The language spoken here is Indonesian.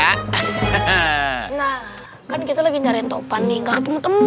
nah kan kita lagi nyariin topan nih gak ketemu temu